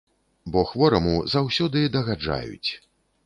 Бо хвораму заўсёды дагаджаюць.